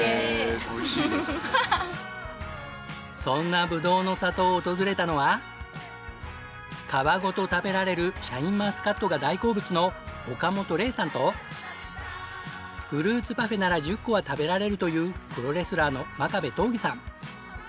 そんなぶどうの里を訪れたのは皮ごと食べられるシャインマスカットが大好物の岡本玲さんとフルーツパフェなら１０個は食べられるというプロレスラーの真壁刀義さん。